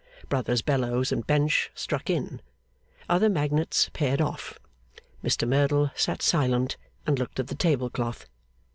Brothers Bellows and Bench struck in. Other magnates paired off. Mr Merdle sat silent, and looked at the table cloth.